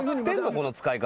この使い方。